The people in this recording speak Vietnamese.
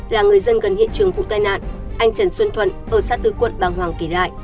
là người dân gần hiện trường vụ tai nạn anh trần xuân thuận ở xã tư quận bàng hoàng kể lại